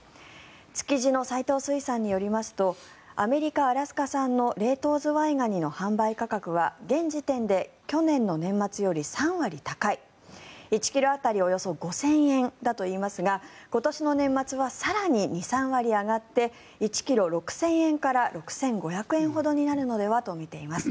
築地の斎藤水産によりますとアメリカ・アラスカ産の冷凍ズワイガニの販売価格は現時点で去年の年末より３割高い１ｋｇ当たりおよそ５０００円だといいますが今年の年末は更に２３割上がって１ｋｇ６０００円から６５００円ほどになるのではと見ています。